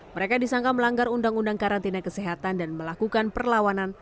mereka disangka melanggar undang undang karantina kesehatan dan melakukan perlawanan